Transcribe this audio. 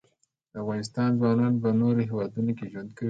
د افغانستان ځوانان په نورو هیوادونو کې ژوند کوي.